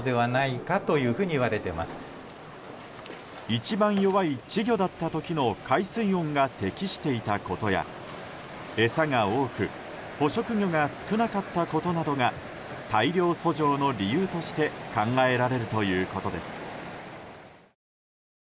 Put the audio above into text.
一番弱い稚魚だった時の海水温が適していたことや餌が多く、捕食魚が少なかったことなどが大量遡上の理由として考えられるということです。